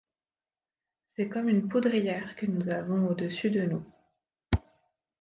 C’est comme une poudrière que nous avons au-dessus de nous.